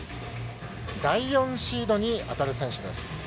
第４シードに当たる選手です。